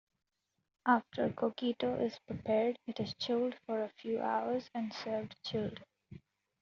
After Coquito is prepared it is chilled for a few hours and served chilled.